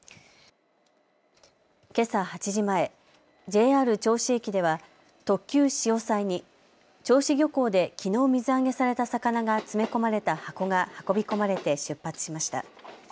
けさ８時前、ＪＲ銚子駅では特急しおさいに銚子漁港できのう水揚げされた魚が詰め込まれた箱が運び込まれて出発しました。